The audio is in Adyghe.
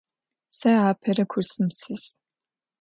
Se apere kursım sis.